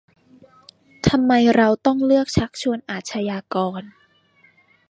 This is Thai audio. ทำไมเราต้องเลือกชักชวนอาชญากร